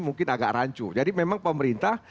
mungkin agak rancu jadi memang pemerintah